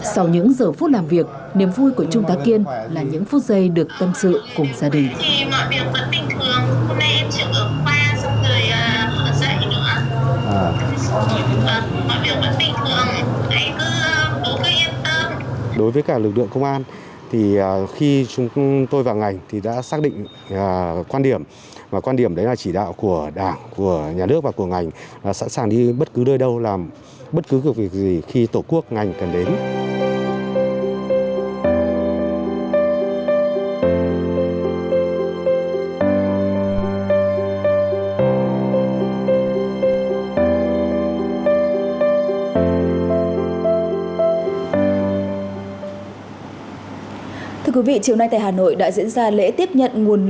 sau những giờ phút làm việc niềm vui của trung tá kiên là những phút giây được tâm sự cùng gia đình